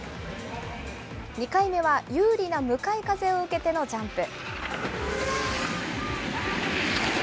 ２回目は有利な向かい風を受けてのジャンプ。